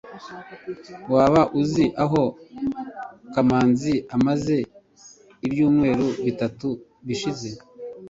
waba uzi aho kamanzi amaze ibyumweru bitatu bishize